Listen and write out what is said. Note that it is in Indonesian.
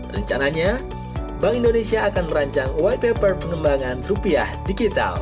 rencananya bank indonesia akan merancang why paper pengembangan rupiah digital